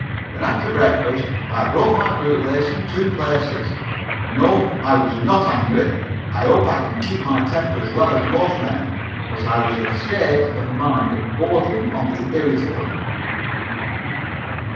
Then after breakfast I broke my boot lace in two places. No, I was not angry. I hope I can keep my temper as well as most men. But I was in a state of mind bordering on the irritable.